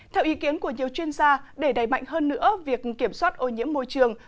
theo ý kiến của nhiều chuyên gia để đẩy mạnh hơn nữa việc kiểm soát ô nhiễm môi trường